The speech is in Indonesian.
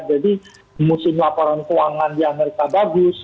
jadi musim laporan keuangan di amerika bagus